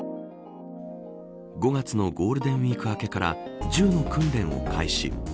５月のゴールデンウイーク明けから銃の訓練を開始。